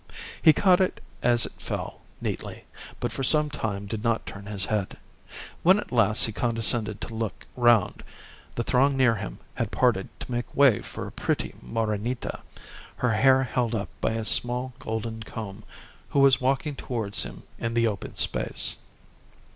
He caught it as it fell, neatly, but for some time did not turn his head. When at last he condescended to look round, the throng near him had parted to make way for a pretty Morenita, her hair held up by a small golden comb, who was walking towards him in the open space.